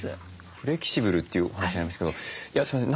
フレキシブルというお話ありましたけどすいません